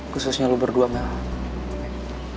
khususnya lo berdua mel